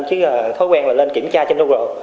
chứ thói quen là lên kiểm tra trên google